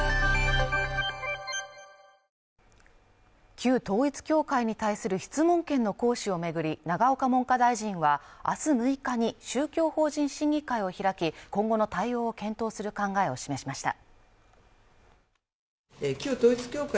旧統一教会に対する質問権の行使をめぐり永岡文科大臣はあす６日に宗教法人審議会を開き今後の対応を検討する考えを示しました